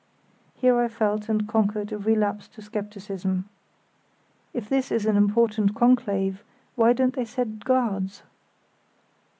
Here I felt and conquered a relapse to scepticism. "If this is an important conclave why don't they set guards?"